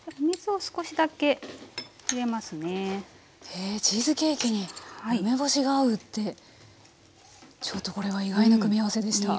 へえチーズケーキに梅干しが合うってちょっとこれは意外な組み合わせでした。